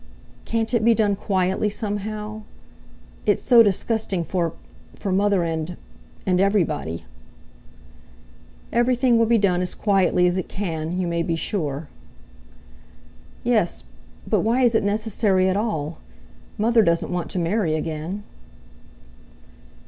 "Can't it be done quietly somehow? It's so disgusting for—for mother, and—and everybody." "Everything will be done as quietly as it can, you may be sure." "Yes—but, why is it necessary at all? Mother doesn't want to marry again."